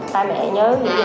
ba mẹ nhớ nhìn